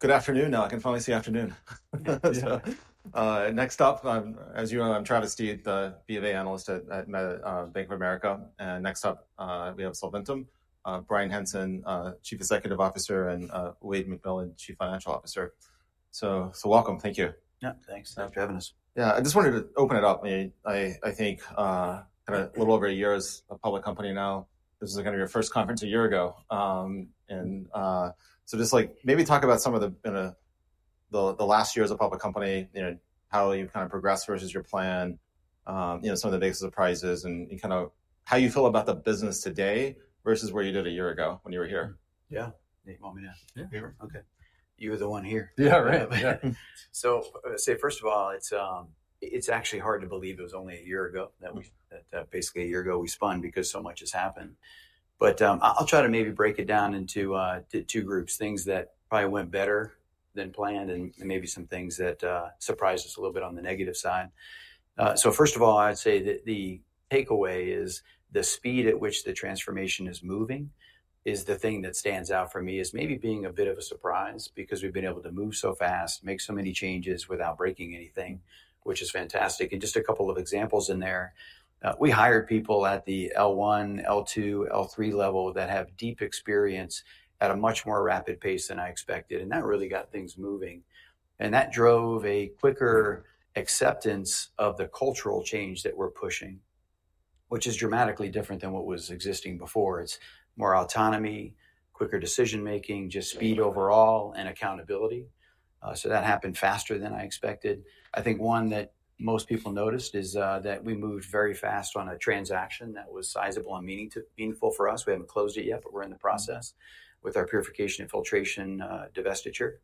Good afternoon. Now I can finally say afternoon. Next up, as you know, I'm Travis Steed, the BofA analyst at Bank of America. Next up, we have Solventum, Bryan Hanson, Chief Executive Officer, and Wayde McMillan, Chief Financial Officer. Welcome. Thank you. Yeah, thanks for having us. Yeah, I just wanted to open it up. I think kind of a little over a year as a public company now. This is kind of your first conference a year ago. Just like maybe talk about some of the last years of public company, how you've kind of progressed versus your plan, some of the biggest surprises, and kind of how you feel about the business today versus where you did a year ago when you were here. Yeah. You want me to? Yeah. You're. Okay. You're the one here. Yeah, right. I would say, first of all, it's actually hard to believe it was only a year ago that basically a year ago we spun because so much has happened. I'll try to maybe break it down into two groups: things that probably went better than planned and maybe some things that surprised us a little bit on the negative side. First of all, I'd say that the takeaway is the speed at which the transformation is moving is the thing that stands out for me as maybe being a bit of a surprise because we've been able to move so fast, make so many changes without breaking anything, which is fantastic. Just a couple of examples in there, we hired people at the L1, L2, L3 level that have deep experience at a much more rapid pace than I expected. That really got things moving. That drove a quicker acceptance of the cultural change that we're pushing, which is dramatically different than what was existing before. It's more autonomy, quicker decision-making, just speed overall, and accountability. That happened faster than I expected. I think one that most people noticed is that we moved very fast on a transaction that was sizable and meaningful for us. We haven't closed it yet, but we're in the process with our purification and filtration divestiture.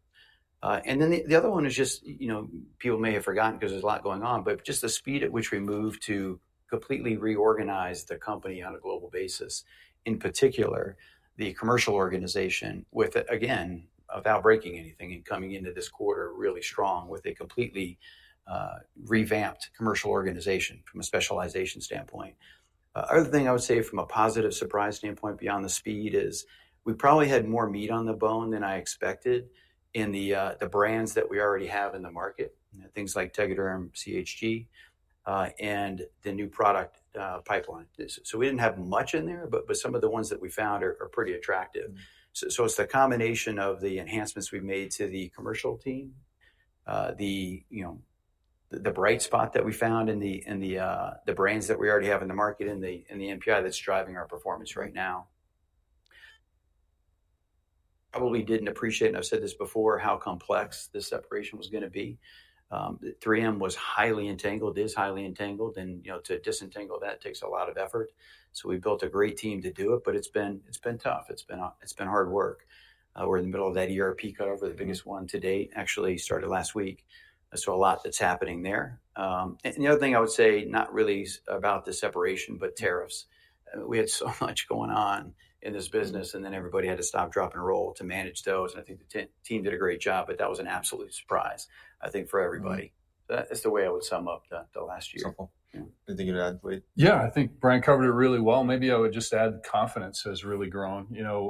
The other one is just, you know, people may have forgotten because there's a lot going on, but just the speed at which we moved to completely reorganize the company on a global basis. In particular, the commercial organization with, again, without breaking anything and coming into this quarter really strong with a completely revamped commercial organization from a specialization standpoint. The other thing I would say from a positive surprise standpoint beyond the speed is we probably had more meat on the bone than I expected in the brands that we already have in the market, things like Tegaderm CHG and the new product pipeline. We did not have much in there, but some of the ones that we found are pretty attractive. It is the combination of the enhancements we have made to the commercial team, the bright spot that we found in the brands that we already have in the market, and the NPI that is driving our performance right now. I probably did not appreciate, and I have said this before, how complex this separation was going to be. 3M was highly entangled, is highly entangled, and to disentangle that takes a lot of effort. We built a great team to do it, but it has been tough. It has been hard work. We're in the middle of that ERP cutover, the biggest one to date, actually started last week. A lot that's happening there. The other thing I would say, not really about the separation, but tariffs. We had so much going on in this business, and then everybody had to stop, drop, and roll to manage those. I think the team did a great job, but that was an absolute surprise, I think, for everybody. That's the way I would sum up the last year. I think you'd add, Wayde. Yeah, I think Bryan covered it really well. Maybe I would just add confidence has really grown.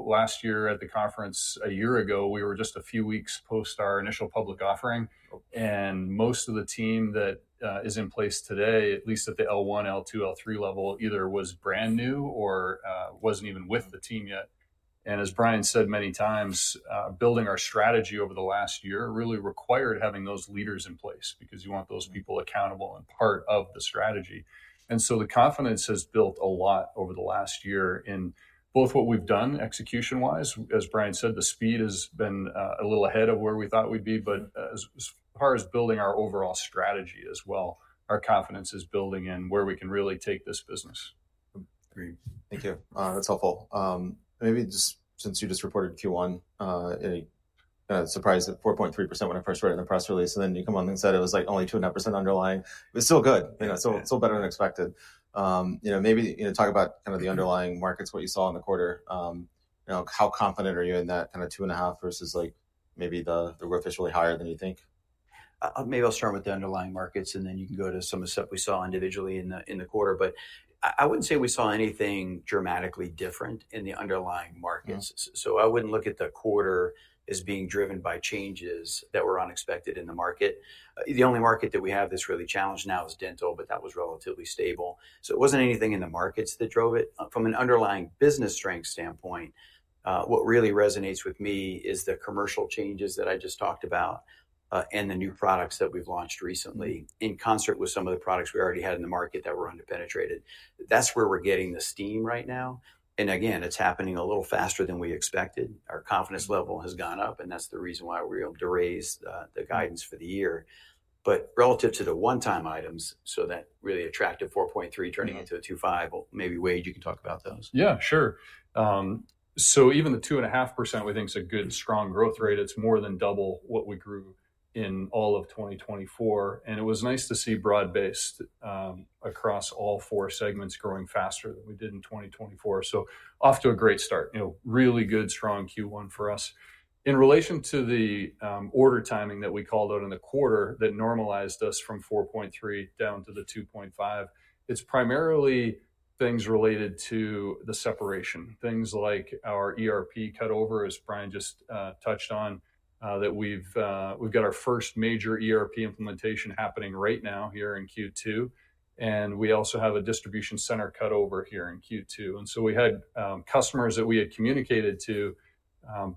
Last year at the conference a year ago, we were just a few weeks post our initial public offering. And most of the team that is in place today, at least at the L1, L2, L3 level, either was brand new or was not even with the team yet. As Bryan said many times, building our strategy over the last year really required having those leaders in place because you want those people accountable and part of the strategy. The confidence has built a lot over the last year in both what we have done execution-wise. As Bryan said, the speed has been a little ahead of where we thought we would be. As far as building our overall strategy as well, our confidence is building in where we can really take this business. Agreed. Thank you. That's helpful. Maybe just since you just reported Q1, it surprised at 4.3% when I first read it in the press release. And then you come on and said it was like only 2.5% underlying. It was still good. It's still better than expected. Maybe talk about kind of the underlying markets, what you saw in the quarter. How confident are you in that kind of 2.5% versus maybe the rough is really higher than you think? Maybe I'll start with the underlying markets, and then you can go to some of the stuff we saw individually in the quarter. I wouldn't say we saw anything dramatically different in the underlying markets. I wouldn't look at the quarter as being driven by changes that were unexpected in the market. The only market that we have that's really challenged now is dental, but that was relatively stable. It wasn't anything in the markets that drove it. From an underlying business strength standpoint, what really resonates with me is the commercial changes that I just talked about and the new products that we've launched recently in concert with some of the products we already had in the market that were under penetrated. That's where we're getting the steam right now. Again, it's happening a little faster than we expected. Our confidence level has gone up, and that's the reason why we're able to raise the guidance for the year. Relative to the one-time items, so that really attractive $4.3 turning into a $2.5, maybe Wayde, you can talk about those. Yeah, sure. Even the 2.5%, we think is a good, strong growth rate. It's more than double what we grew in all of 2024. It was nice to see broad-based across all four segments growing faster than we did in 2024. Off to a great start. Really good, strong Q1 for us. In relation to the order timing that we called out in the quarter that normalized us from 4.3% down to the 2.5%, it's primarily things related to the separation. Things like our ERP cutover, as Bryan just touched on, that we've got our first major ERP implementation happening right now here in Q2. We also have a distribution center cutover here in Q2. We had customers that we had communicated to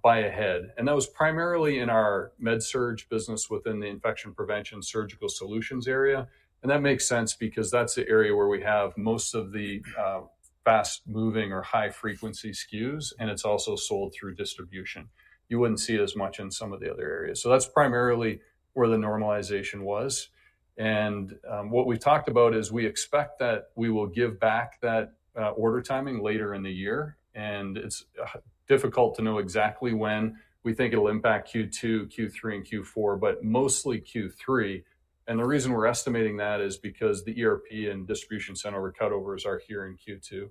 buy ahead. That was primarily in our med surge business within the infection prevention surgical solutions area. That makes sense because that's the area where we have most of the fast-moving or high-frequency SKUs, and it's also sold through distribution. You wouldn't see it as much in some of the other areas. That's primarily where the normalization was. What we've talked about is we expect that we will give back that order timing later in the year. It's difficult to know exactly when. We think it'll impact Q2, Q3, and Q4, but mostly Q3. The reason we're estimating that is because the ERP and distribution center cutovers are here in Q2.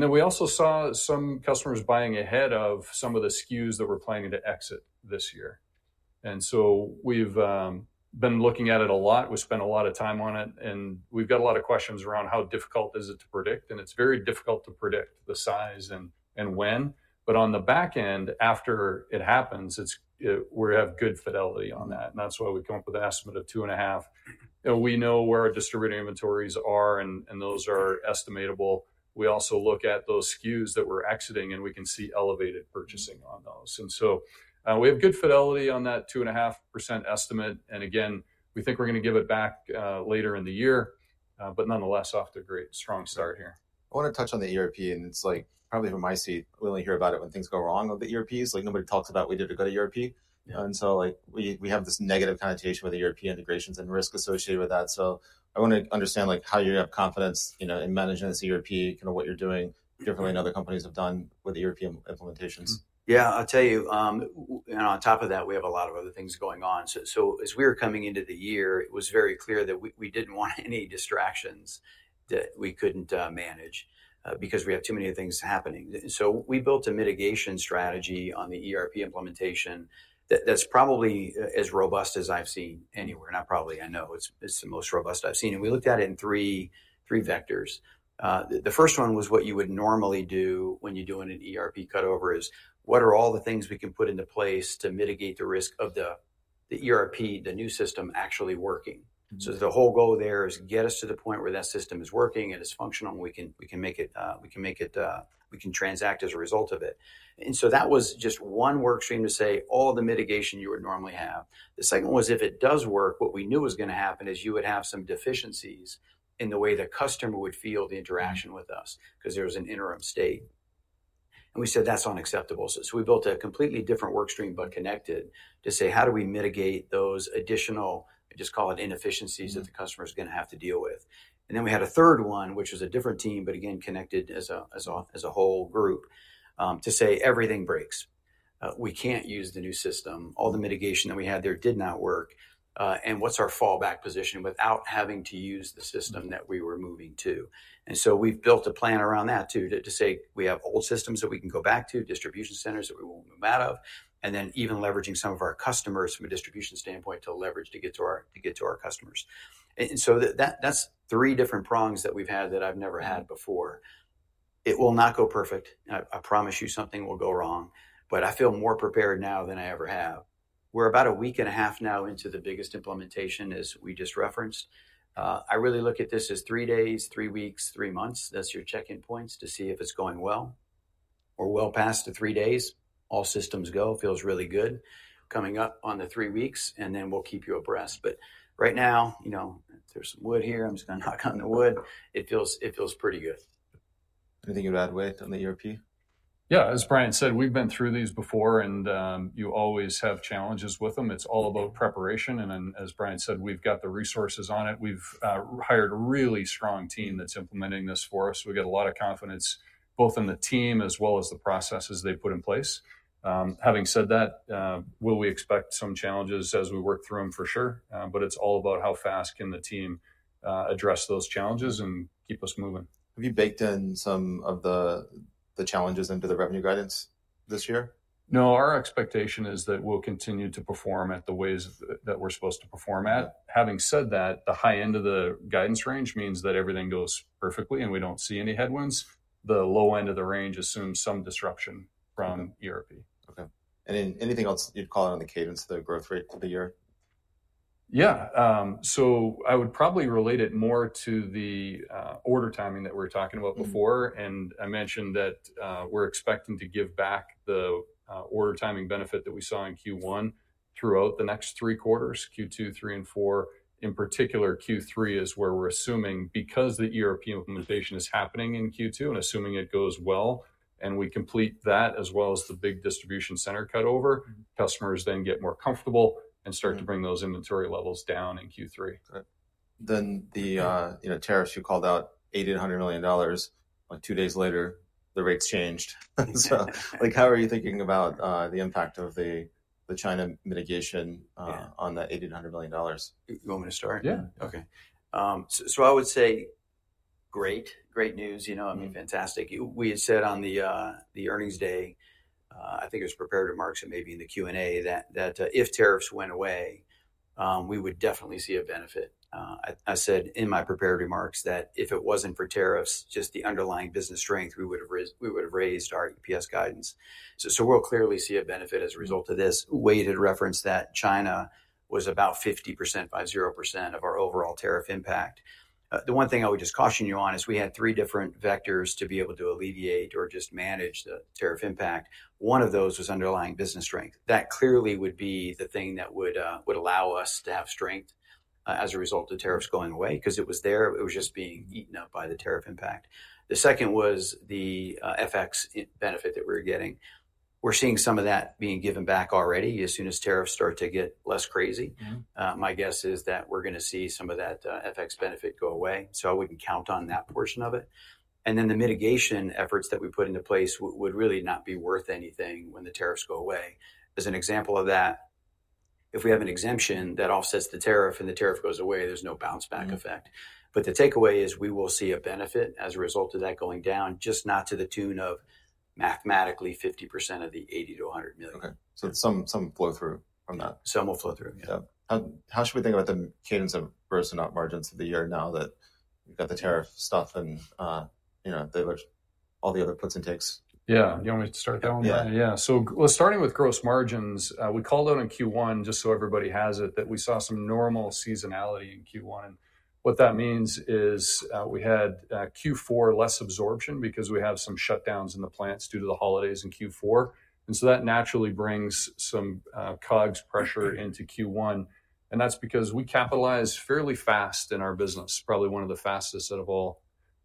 We also saw some customers buying ahead of some of the SKUs that we're planning to exit this year. We've been looking at it a lot. We spent a lot of time on it. We've got a lot of questions around how difficult is it to predict. It's very difficult to predict the size and when. On the back end, after it happens, we have good fidelity on that. That's why we come up with an estimate of 2.5%. We know where our distributor inventories are, and those are estimatable. We also look at those SKUs that we're exiting, and we can see elevated purchasing on those. We have good fidelity on that 2.5% estimate. We think we're going to give it back later in the year. Nonetheless, off to a great, strong start here. I want to touch on the ERP. It's like probably from my seat, we only hear about it when things go wrong with the ERPs. Nobody talks about we did a good ERP. We have this negative connotation with the ERP integrations and risk associated with that. I want to understand how you have confidence in managing this ERP, kind of what you're doing differently than other companies have done with the ERP implementations. Yeah, I'll tell you, on top of that, we have a lot of other things going on. As we were coming into the year, it was very clear that we didn't want any distractions that we couldn't manage because we have too many things happening. We built a mitigation strategy on the ERP implementation that's probably as robust as I've seen anywhere. Not probably, I know. It's the most robust I've seen. We looked at it in three vectors. The first one was what you would normally do when you do an ERP cutover is what are all the things we can put into place to mitigate the risk of the ERP, the new system actually working. The whole goal there is get us to the point where that system is working and it's functional and we can make it, we can transact as a result of it. That was just one workstream to say all the mitigation you would normally have. The second was if it does work, what we knew was going to happen is you would have some deficiencies in the way the customer would feel the interaction with us because there was an interim state. We said that's unacceptable. We built a completely different workstream but connected to say how do we mitigate those additional, I just call it inefficiencies that the customer is going to have to deal with. Then we had a third one, which was a different team, but again, connected as a whole group to say everything breaks. We can't use the new system. All the mitigation that we had there did not work. What's our fallback position without having to use the system that we were moving to? We have built a plan around that too, to say we have old systems that we can go back to, distribution centers that we won't move out of, and even leveraging some of our customers from a distribution standpoint to leverage to get to our customers. That's three different prongs that we've had that I've never had before. It will not go perfect. I promise you something will go wrong, but I feel more prepared now than I ever have. We're about a week and a half now into the biggest implementation, as we just referenced. I really look at this as three days, three weeks, three months. That's your check-in points to see if it's going well. We're well past the three days. All systems go. Feels really good. Coming up on the three weeks, and then we'll keep you abreast. Right now, there's some wood here. I'm just going to knock on the wood. It feels pretty good. Anything you'd add, Wayde, on the ERP? Yeah, as Bryan said, we've been through these before, and you always have challenges with them. It's all about preparation. As Bryan said, we've got the resources on it. We've hired a really strong team that's implementing this for us. We get a lot of confidence both in the team as well as the processes they put in place. Having said that, will we expect some challenges as we work through them. It's all about how fast can the team address those challenges and keep us moving. Have you baked in some of the challenges into the revenue guidance this year? No, our expectation is that we'll continue to perform at the ways that we're supposed to perform at. Having said that, the high end of the guidance range means that everything goes perfectly and we don't see any headwinds. The low end of the range assumes some disruption from ERP. Okay. Anything else you'd call out on the cadence, the growth rate of the year? Yeah. I would probably relate it more to the order timing that we were talking about before. I mentioned that we're expecting to give back the order timing benefit that we saw in Q1 throughout the next three quarters, Q2, Q3, and Q4. In particular, Q3 is where we're assuming because the ERP implementation is happening in Q2 and assuming it goes well and we complete that as well as the big distribution center cutover, customers then get more comfortable and start to bring those inventory levels down in Q3. The tariffs you called out, $80 million-$100 million. Two days later, the rates changed. How are you thinking about the impact of the China mitigation on that $80 million-$100 million? You want me to start? Yeah. Okay. I would say great, great news. I mean, fantastic. We had said on the earnings day, I think it was prepared remarks and maybe in the Q&A that if tariffs went away, we would definitely see a benefit. I said in my prepared remarks that if it was not for tariffs, just the underlying business strength, we would have raised our EPS guidance. We will clearly see a benefit as a result of this. Wayde had referenced that China was about 50% by 0% of our overall tariff impact. The one thing I would just caution you on is we had three different vectors to be able to alleviate or just manage the tariff impact. One of those was underlying business strength. That clearly would be the thing that would allow us to have strength as a result of tariffs going away because it was there. It was just being eaten up by the tariff impact. The second was the FX benefit that we're getting. We're seeing some of that being given back already as soon as tariffs start to get less crazy. My guess is that we're going to see some of that FX benefit go away. We can count on that portion of it. The mitigation efforts that we put into place would really not be worth anything when the tariffs go away. As an example of that, if we have an exemption that offsets the tariff and the tariff goes away, there's no bounce back effect. The takeaway is we will see a benefit as a result of that going down, just not to the tune of mathematically 50% of the $80 million-$100 million. Okay. So some flow through from that. Some will flow through, yeah. How should we think about the cadence of gross and up margins of the year now that we've got the tariff stuff and all the other puts and takes? Yeah. Do you want me to start that one? Yeah. Yeah. Starting with gross margins, we called out in Q1, just so everybody has it, that we saw some normal seasonality in Q1. What that means is we had Q4 less absorption because we have some shutdowns in the plants due to the holidays in Q4. That naturally brings some COGS pressure into Q1. That is because we capitalize fairly fast in our business, probably one of the fastest out of all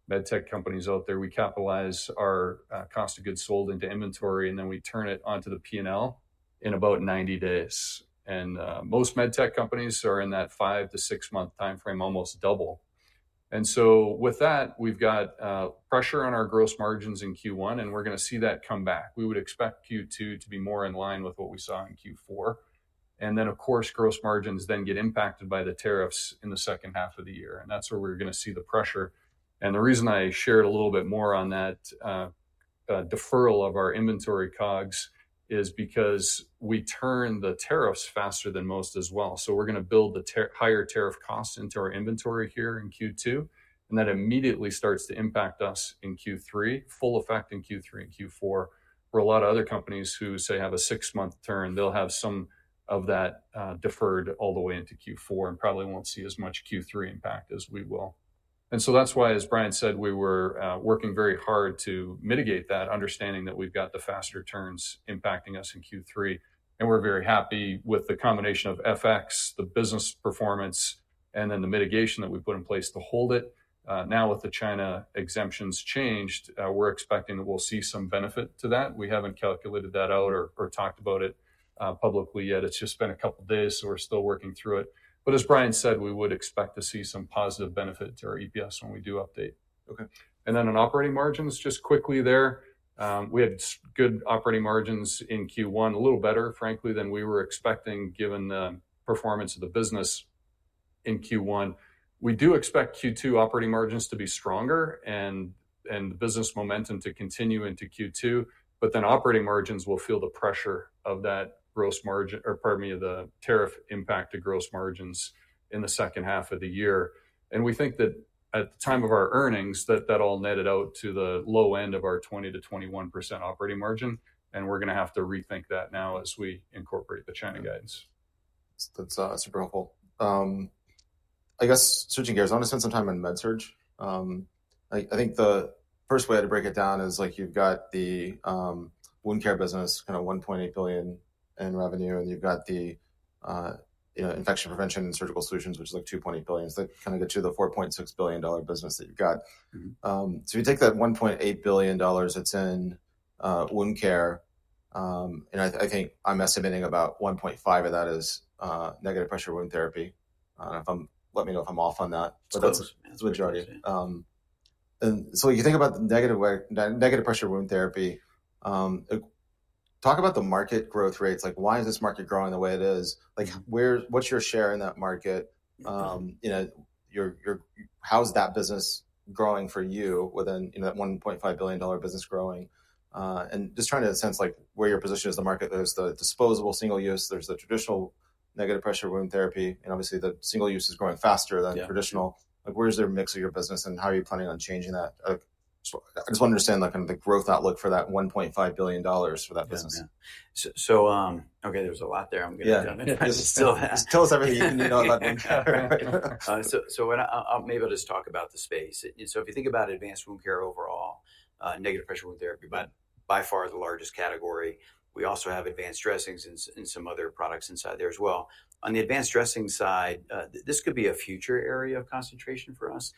med tech companies out there. We capitalize our cost of goods sold into inventory, and then we turn it onto the P&L in about 90 days. Most med tech companies are in that five to six-month timeframe, almost double. With that, we have got pressure on our gross margins in Q1, and we are going to see that come back. We would expect Q2 to be more in line with what we saw in Q4. Of course, gross margins then get impacted by the tariffs in the second half of the year. That is where we are going to see the pressure. The reason I shared a little bit more on that deferral of our inventory COGS is because we turn the tariffs faster than most as well. We are going to build the higher tariff cost into our inventory here in Q2. That immediately starts to impact us in Q3, full effect in Q3 and Q4. For a lot of other companies who, say, have a six-month turn, they will have some of that deferred all the way into Q4 and probably will not see as much Q3 impact as we will. That is why, as Bryan said, we were working very hard to mitigate that, understanding that we have the faster turns impacting us in Q3. We are very happy with the combination of FX, the business performance, and then the mitigation that we put in place to hold it. Now, with the China exemptions changed, we are expecting that we will see some benefit to that. We have not calculated that out or talked about it publicly yet. It has just been a couple of days, so we are still working through it. As Bryan said, we would expect to see some positive benefit to our EPS when we do update. Okay. On operating margins, just quickly there. We had good operating margins in Q1, a little better, frankly, than we were expecting given the performance of the business in Q1. We do expect Q2 operating margins to be stronger and the business momentum to continue into Q2. Operating margins will feel the pressure of that gross margin or, pardon me, the tariff impact to gross margins in the second half of the year. We think that at the time of our earnings, that that all netted out to the low end of our 20-21% operating margin. We are going to have to rethink that now as we incorporate the China guidance. That's super helpful. I guess switching gears, I want to spend some time on med surge. I think the first way to break it down is you've got the wound care business, kind of $1.8 billion in revenue, and you've got the infection prevention and surgical solutions, which is like $2.8 billion. That kind of gets you to the $4.6 billion business that you've got. If you take that $1.8 billion that's in wound care, and I think I'm estimating about $1.5 billion of that is negative pressure wound therapy. Let me know if I'm off on that. That's close. That's the majority. When you think about negative pressure wound therapy, talk about the market growth rates. Why is this market growing the way it is? What's your share in that market? How's that business growing for you within that $1.5 billion business growing? Just trying to sense where your position is in the market. There's the disposable single-use, there's the traditional negative pressure wound therapy, and obviously the single-use is growing faster than traditional. Where's their mix of your business and how are you planning on changing that? I just want to understand kind of the growth outlook for that $1.5 billion for that business. Yeah. Okay, there's a lot there. I'm going to. Yeah. Tell us everything you need to know about wound care. Maybe I'll just talk about the space. If you think about advanced wound care overall, negative pressure wound therapy is by far the largest category. We also have advanced dressings and some other products inside there as well. On the advanced dressing side, this could be a future area of concentration for us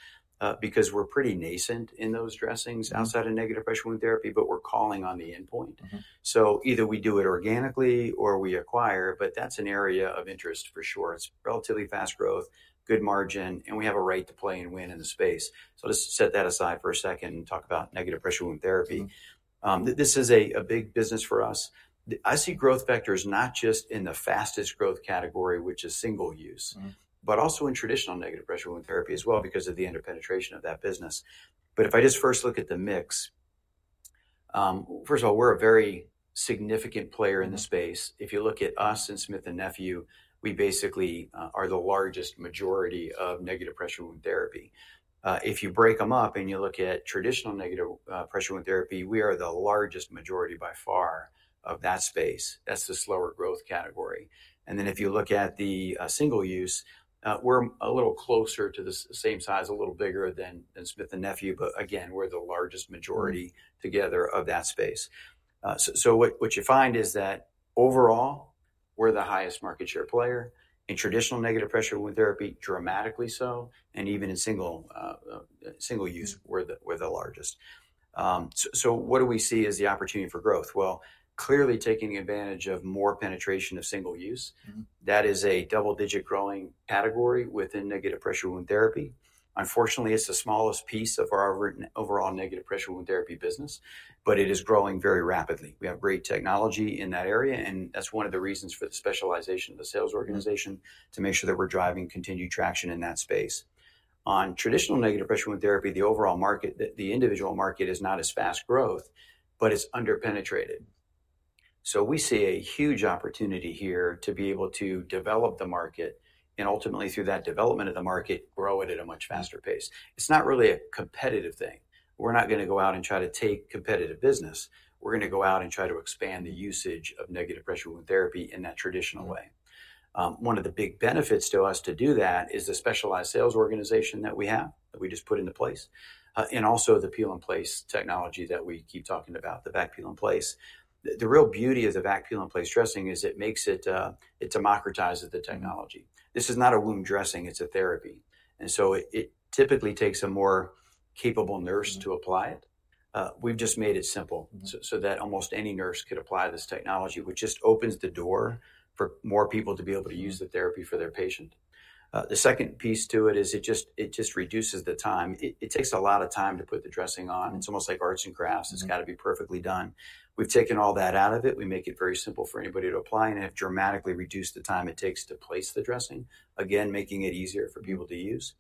because we're pretty nascent in those dressings outside of negative pressure wound therapy, but we're calling on the endpoint. Either we do it organically or we acquire, but that's an area of interest for sure. It's relatively fast growth, good margin, and we have a right to play and win in the space. Let's set that aside for a second and talk about negative pressure wound therapy. This is a big business for us. I see growth vectors not just in the fastest growth category, which is single-use, but also in traditional negative pressure wound therapy as well because of the end of penetration of that business. If I just first look at the mix, first of all, we're a very significant player in the space. If you look at us and Smith & Nephew, we basically are the largest majority of negative pressure wound therapy. If you break them up and you look at traditional negative pressure wound therapy, we are the largest majority by far of that space. That's the slower growth category. If you look at the single-use, we're a little closer to the same size, a little bigger than Smith & Nephew, but again, we're the largest majority together of that space. What you find is that overall, we're the highest market share player in traditional negative pressure wound therapy, dramatically so, and even in single-use, we're the largest. What do we see as the opportunity for growth? Clearly taking advantage of more penetration of single-use. That is a double-digit growing category within negative pressure wound therapy. Unfortunately, it's the smallest piece of our overall negative pressure wound therapy business, but it is growing very rapidly. We have great technology in that area, and that's one of the reasons for the specialization of the sales organization to make sure that we're driving continued traction in that space. On traditional negative pressure wound therapy, the overall market, the individual market is not as fast growth, but it's under-penetrated. We see a huge opportunity here to be able to develop the market and ultimately, through that development of the market, grow it at a much faster pace. It's not really a competitive thing. We're not going to go out and try to take competitive business. We're going to go out and try to expand the usage of negative pressure wound therapy in that traditional way. One of the big benefits to us to do that is the specialized sales organization that we have that we just put into place and also the peel and place technology that we keep talking about, the V.A.C Peel and Place. The real beauty of the V.A.C Peel and Place dressing is it democratizes the technology. This is not a wound dressing. It's a therapy. And so it typically takes a more capable nurse to apply it. We've just made it simple so that almost any nurse could apply this technology, which just opens the door for more people to be able to use the therapy for their patient. The second piece to it is it just reduces the time. It takes a lot of time to put the dressing on. It's almost like arts and crafts. It's got to be perfectly done. We've taken all that out of it. We make it very simple for anybody to apply and have dramatically reduced the time it takes to place the dressing, again, making it easier for people to use.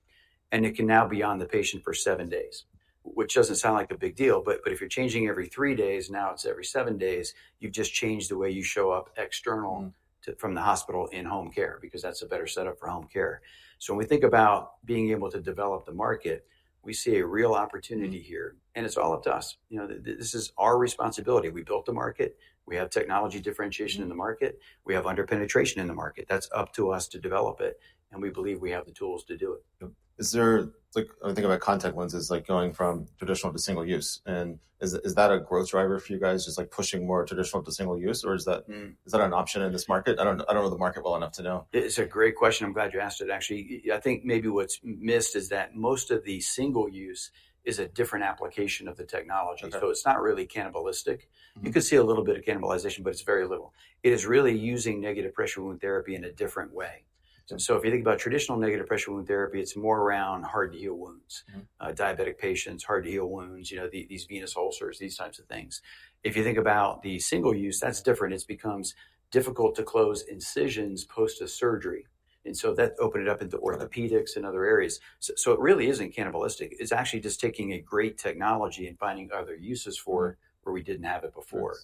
It can now be on the patient for seven days, which does not sound like a big deal, but if you are changing every three days, now it is every seven days, you have just changed the way you show up external from the hospital in home care because that is a better setup for home care. When we think about being able to develop the market, we see a real opportunity here, and it is all up to us. This is our responsibility. We built the market. We have technology differentiation in the market. We have under-penetration in the market. That is up to us to develop it. We believe we have the tools to do it. Is there, when you think about contact lenses, like going from traditional to single-use, and is that a growth driver for you guys, just like pushing more traditional to single-use? Or is that an option in this market? I don't know the market well enough to know. It's a great question. I'm glad you asked it, actually. I think maybe what's missed is that most of the single-use is a different application of the technology. It's not really cannibalistic. You could see a little bit of cannibalization, but it's very little. It is really using negative pressure wound therapy in a different way. If you think about traditional negative pressure wound therapy, it's more around hard-to-heal wounds, diabetic patients, hard-to-heal wounds, these venous ulcers, these types of things. If you think about the single-use, that's different. It becomes difficult to close incisions post-surgery. That's opening it up into orthopedics and other areas. It really isn't cannibalistic. It's actually just taking a great technology and finding other uses for it where we didn't have it before.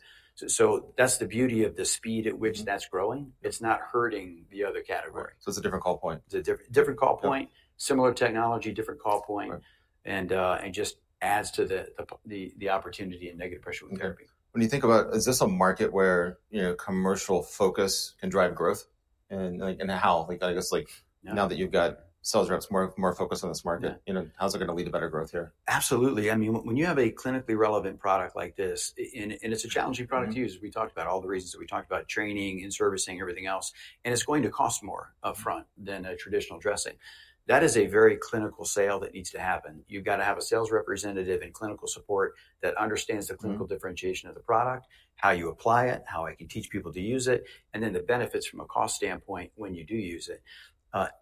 That's the beauty of the speed at which that's growing. It's not hurting the other category. It's a different call point. It's a different call point. Similar technology, different call point, and just adds to the opportunity in negative pressure wound therapy. When you think about, is this a market where commercial focus can drive growth? How? I guess now that you've got sales reps more focused on this market, how's it going to lead to better growth here? Absolutely. I mean, when you have a clinically relevant product like this, and it's a challenging product to use, we talked about all the reasons that we talked about training and servicing and everything else, and it's going to cost more upfront than a traditional dressing. That is a very clinical sale that needs to happen. You've got to have a sales representative and clinical support that understands the clinical differentiation of the product, how you apply it, how I can teach people to use it, and then the benefits from a cost standpoint when you do use it.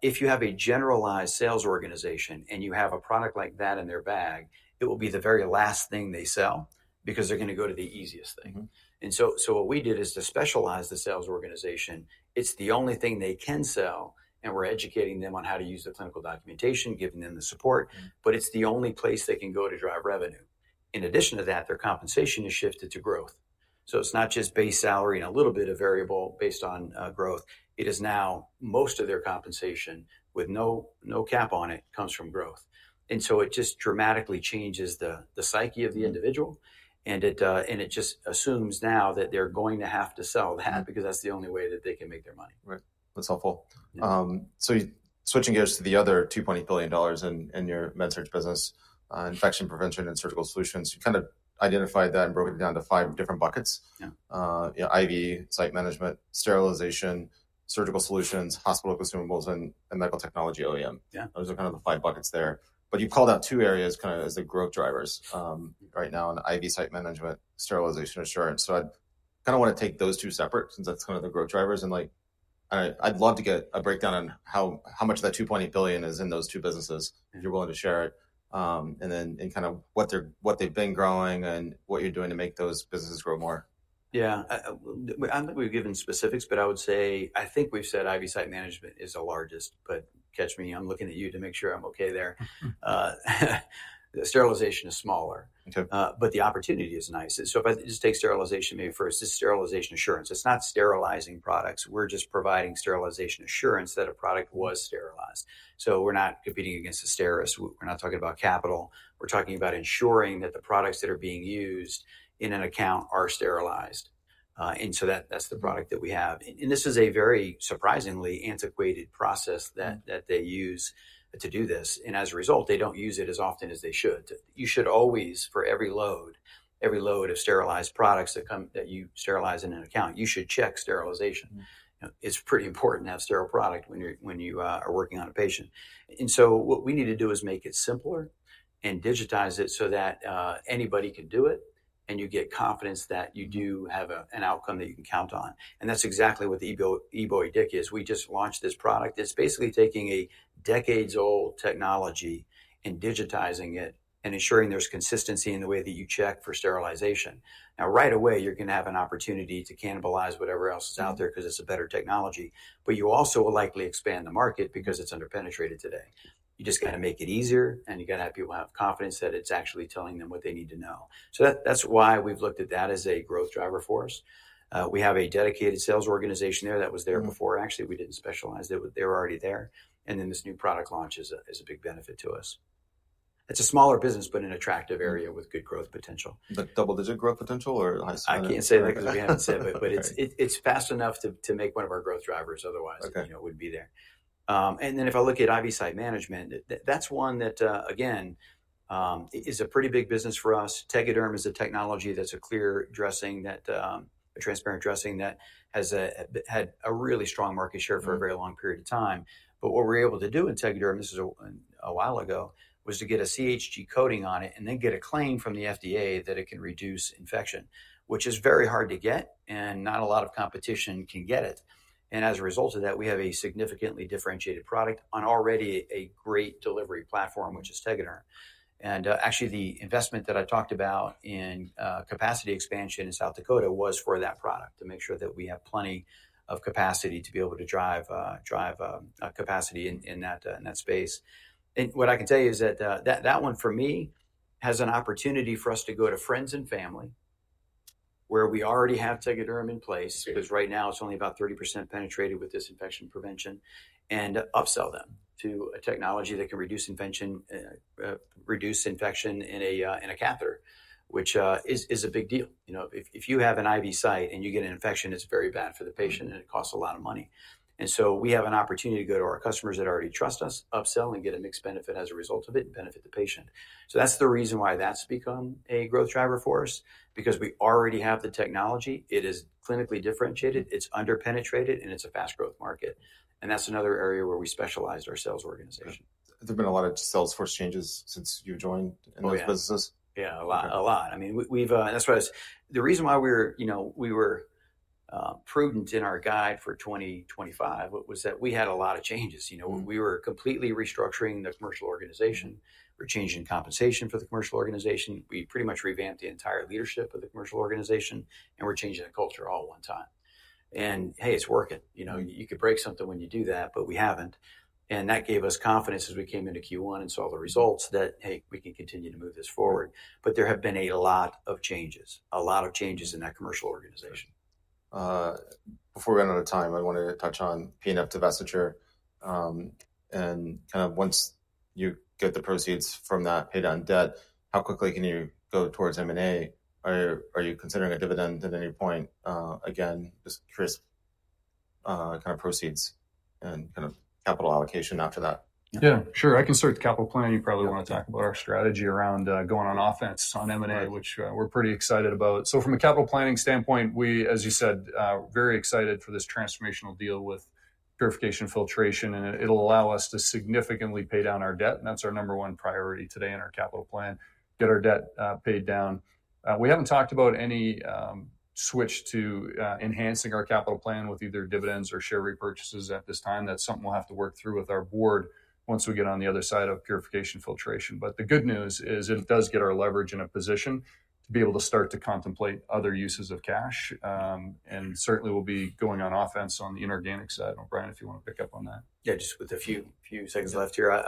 If you have a generalized sales organization and you have a product like that in their bag, it will be the very last thing they sell because they're going to go to the easiest thing. What we did is to specialize the sales organization. It's the only thing they can sell, and we're educating them on how to use the clinical documentation, giving them the support, but it's the only place they can go to drive revenue. In addition to that, their compensation is shifted to growth. So it's not just base salary and a little bit of variable based on growth. It is now most of their compensation with no cap on it comes from growth. And so it just dramatically changes the psyche of the individual, and it just assumes now that they're going to have to sell that because that's the only way that they can make their money. Right. That's helpful. Switching gears to the other $2.8 billion in your med surg business, infection prevention and surgical solutions, you kind of identified that and broke it down to five different buckets: IV site management, sterilization, surgical solutions, hospital consumables, and medical technology OEM. Those are kind of the five buckets there. You've called out two areas as the growth drivers right now: IV site management, sterilization assurance. I want to take those two separately since that's the growth drivers. I'd love to get a breakdown on how much of that $2.8 billion is in those two businesses, if you're willing to share it, and then what they've been growing and what you're doing to make those businesses grow more. Yeah. I don't think we've given specifics, but I would say I think we've said IV site management is the largest, but catch me. I'm looking at you to make sure I'm okay there. Sterilization is smaller, but the opportunity is nice. If I just take sterilization maybe first, it's sterilization assurance. It's not sterilizing products. We're just providing sterilization assurance that a product was sterilized. We're not competing against [STERIS]. We're not talking about capital. We're talking about ensuring that the products that are being used in an account are sterilized. That is the product that we have. This is a very surprisingly antiquated process that they use to do this. As a result, they don't use it as often as they should. You should always, for every load, every load of sterilized products that you sterilize in an account, you should check sterilization. It's pretty important to have sterile product when you are working on a patient. What we need to do is make it simpler and digitize it so that anybody can do it and you get confidence that you do have an outcome that you can count on. That's exactly what the eBowie-Dick is. We just launched this product. It's basically taking a decades-old technology and digitizing it and ensuring there's consistency in the way that you check for sterilization. Right away, you're going to have an opportunity to cannibalize whatever else is out there because it's a better technology, but you also will likely expand the market because it's under-penetrated today. You just got to make it easier, and you got to have people have confidence that it's actually telling them what they need to know. That's why we've looked at that as a growth driver for us. We have a dedicated sales organization there that was there before. Actually, we didn't specialize. They were already there. This new product launch is a big benefit to us. It's a smaller business, but an attractive area with good growth potential. Is that double-digit growth potential or high? I can't say that because we haven't said it, but it's fast enough to make one of our growth drivers otherwise. It wouldn't be there. If I look at IV site management, that's one that, again, is a pretty big business for us. Tegaderm is a technology that's a clear dressing, a transparent dressing that has had a really strong market share for a very long period of time. What we're able to do in Tegaderm, this was a while ago, was to get a CHG coating on it and then get a claim from the FDA that it can reduce infection, which is very hard to get, and not a lot of competition can get it. As a result of that, we have a significantly differentiated product on already a great delivery platform, which is Tegaderm. Actually, the investment that I talked about in capacity expansion in South Dakota was for that product to make sure that we have plenty of capacity to be able to drive capacity in that space. What I can tell you is that that one, for me, has an opportunity for us to go to friends and family where we already have Tegaderm in place because right now it is only about 30% penetrated with this infection prevention and upsell them to a technology that can reduce infection in a catheter, which is a big deal. If you have an IV site and you get an infection, it is very bad for the patient, and it costs a lot of money. We have an opportunity to go to our customers that already trust us, upsell and get a mixed benefit as a result of it and benefit the patient. That's the reason why that's become a growth driver for us because we already have the technology. It is clinically differentiated. It's under-penetrated, and it's a fast-growth market. That's another area where we specialize our sales organization. There have been a lot of Salesforce changes since you joined in this business? Yeah, a lot. I mean, that's why the reason why we were prudent in our guide for 2025 was that we had a lot of changes. We were completely restructuring the commercial organization. We're changing compensation for the commercial organization. We pretty much revamped the entire leadership of the commercial organization, and we're changing the culture all at one time. Hey, it's working. You could break something when you do that, but we haven't. That gave us confidence as we came into Q1 and saw the results that, hey, we can continue to move this forward. There have been a lot of changes, a lot of changes in that commercial organization. Before we run out of time, I want to touch on P&F divestiture and kind of once you get the proceeds from that pay down debt, how quickly can you go towards M&A? Are you considering a dividend at any point? Again, just curious kind of proceeds and kind of capital allocation after that. Yeah, sure. I can start the capital planning. You probably want to talk about our strategy around going on offense on M&A, which we're pretty excited about. From a capital planning standpoint, we, as you said, are very excited for this transformational deal with purification filtration, and it'll allow us to significantly pay down our debt. That's our number one priority today in our capital plan, get our debt paid down. We haven't talked about any switch to enhancing our capital plan with either dividends or share repurchases at this time. That's something we'll have to work through with our board once we get on the other side of purification filtration. The good news is it does get our leverage in a position to be able to start to contemplate other uses of cash. Certainly, we'll be going on offense on the inorganic side. Bryan, if you want to pick up on that. Yeah, just with a few seconds left here.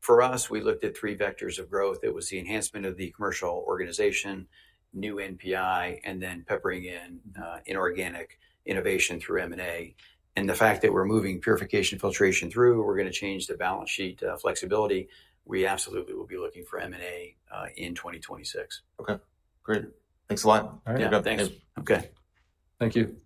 For us, we looked at three vectors of growth. It was the enhancement of the commercial organization, new NPI, and then peppering in inorganic innovation through M&A. The fact that we're moving purification filtration through, we're going to change the balance sheet flexibility. We absolutely will be looking for M&A in 2026. Okay. Great. Thanks a lot. All right. Thanks. Thank you.